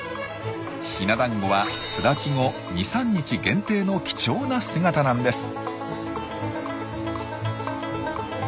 ヒナ団子は巣立ち後２３日限定の貴重な姿なんです。